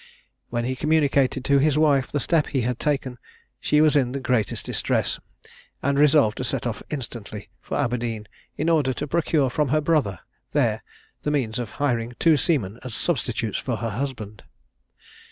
When he communicated to his wife the step he had taken, she was in the greatest distress, and resolved to set off instantly for Aberdeen, in order to procure from her brother there the means of hiring two seamen as substitutes for her husband.